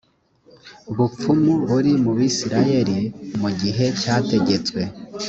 bupfumu buri mu bisirayeli mu gihe cyategetswe